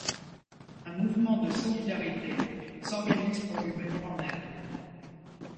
Un mouvement se solidarité s'organise pour lui venir en aide.